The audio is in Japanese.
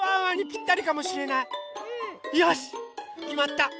よしっきまった！